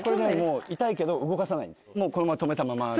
痛いけど動かさないんですもうこのまま止めたままで。